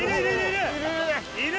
いる！